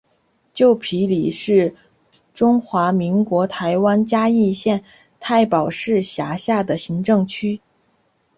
旧埤里是中华民国台湾嘉义县太保市辖下的行政区。